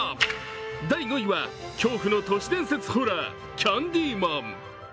第５位は恐怖の都市伝説ホラー、「キャンディマン」。